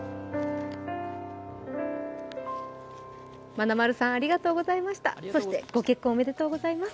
まなまるさん、ありがとうございました。